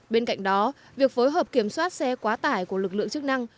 bên cạnh đó việc phối hợp kiểm soát xe quá tải của lực lượng chức năng